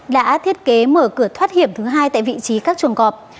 đã thiết kế mở cửa thoát hiểm thứ hai tại vị trí các chuồng cọp